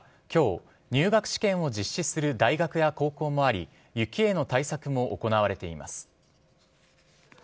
今日、入学試験を実施する大学や高校もあり雪への対策も行われています。